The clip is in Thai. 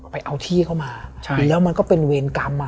ไปเอาที่เข้ามาแล้วมันก็เป็นเวรกรรม